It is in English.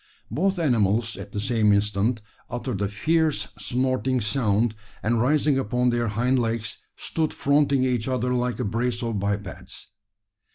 Both animals, at the same instant, uttered a fierce, snorting sound, and rising upon their hind legs, stood fronting each other like a brace of bipeds.